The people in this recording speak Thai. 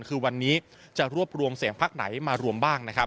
คือวันนี้จะรวบรวมเสียงพักไหนมารวมบ้างนะครับ